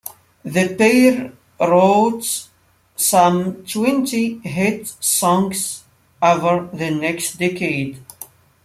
The pair wrote some twenty hit songs over the next decade.